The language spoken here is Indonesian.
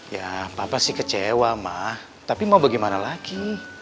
ya papa sih kecewa mah tapi mau bagaimana lagi